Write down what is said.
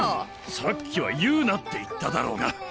さっきは言うなって言っただろうが。